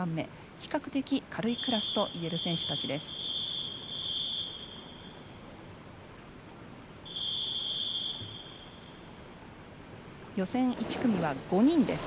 比較的軽いクラスといえる選手たちです。